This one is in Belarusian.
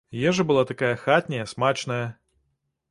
Ежа была такая хатняя, смачная.